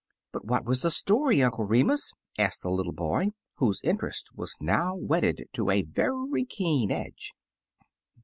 "But what was the story. Uncle Re mus?" asked the little boy, whose interest was now whetted to a very keen edge.